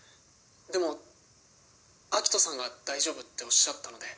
でも秋斗さんが大丈夫っておっしゃったので。